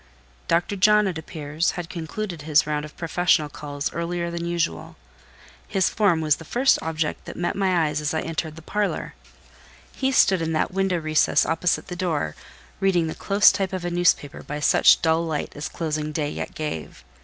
Dr. John, it appears, had concluded his round of professional calls earlier than usual; his form was the first object that met my eyes as I entered the parlour; he stood in that window recess opposite the door, reading the close type of a newspaper by such dull light as closing day yet gave.